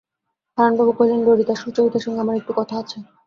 হারানবাবু কহিলেন, ললিতা, সুচরিতার সঙ্গে আমার একটু কথা আছে।